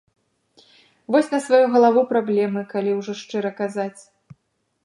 Вось на сваю галаву праблемы, калі ўжо шчыра казаць.